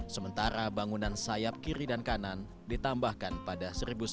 sementara bangunan sayap kiri dan kanan ditambahkan pada seribu sembilan ratus tujuh puluh delapan